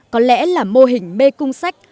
có lẽ là mô hình bê cung sách